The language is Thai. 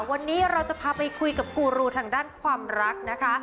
วันนี้เราจะพาไปคุยกับกูรูทางด้านความรักนะคะ